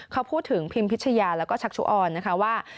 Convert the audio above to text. เขาพูดถึงพิมพิชยาแล้วก็ชักชุออนนะคะว่า